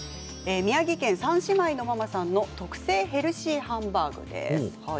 宮城県三姉妹のママさんの特製ヘルシーハンバーグです。